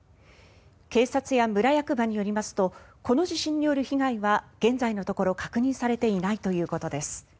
警察や村役場によりますとこの地震による被害は現在のところ確認されていないということです。